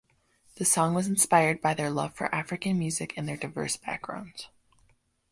The song was inspired by their love for African music and their diverse backgrounds.